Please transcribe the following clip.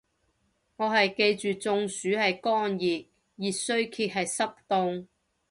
我係記住中暑係乾熱，熱衰竭係濕凍